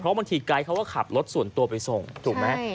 บางทีไกด์เขาก็ขับรถส่วนตัวไปส่งถูกไหม